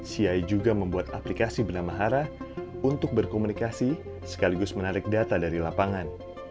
ci juga membuat aplikasi bernama hara untuk berkomunikasi sekaligus menarik data dari lapangan